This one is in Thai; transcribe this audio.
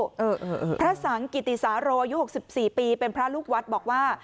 พระสังกิติสาโรยุ๖๔ปีเป็นพระลูกวัดบอกว่า